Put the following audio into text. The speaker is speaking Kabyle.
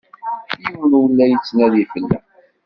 Yiwen ur la d-yettnadi fell-aɣ.